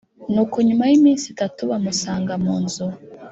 Nuko nyuma y’iminsi itatu bamusanga mu nzu